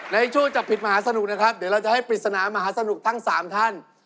ในช่วงจับผิดมหาสนุกนะครับเดี๋ยวเราจะให้ปริศนามหาสนุกทั้ง๓ท่าน